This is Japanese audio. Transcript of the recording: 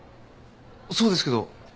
そうですけど。